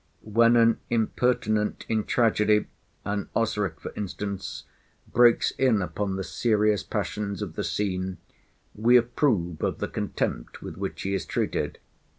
When an impertinent in tragedy, an Osric, for instance, breaks in upon the serious passions of the scene, we approve of the contempt with which he is treated.